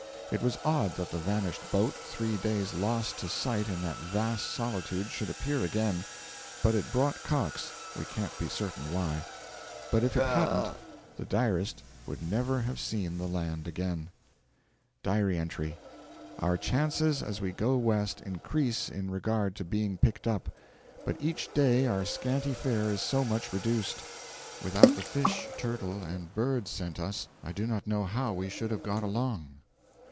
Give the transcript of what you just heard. It was odd that the vanished boat, three days lost to sight in that vast solitude, should appear again. But it brought Cox we can't be certain why. But if it hadn't, the diarist would never have seen the land again. (Diary entry) Our chances as we go west increase in regard to being picked up, but each day our scanty fare is so much reduced. Without the fish, turtle, and birds sent us, I do not know how we should have got along.